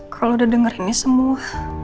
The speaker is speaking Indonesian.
kalau udah dengerin semua